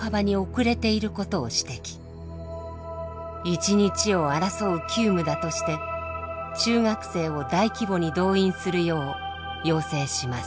一日を争う急務だとして中学生を大規模に動員するよう要請します。